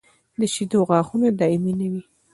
د شېدو غاښونه دایمي نه وي.